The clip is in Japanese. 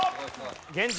現状